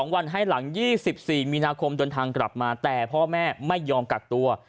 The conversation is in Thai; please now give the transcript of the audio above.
วันให้หลัง๒๔มีนาคมเดินทางกลับมาแต่พ่อแม่ไม่ยอมกักตัว